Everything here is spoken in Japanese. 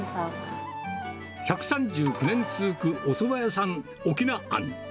１３９年続くおそば屋さん、翁庵。